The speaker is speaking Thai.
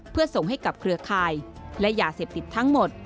เพื่อส่งให้กับเครือข่ายและยาเสพติดทั้งหมด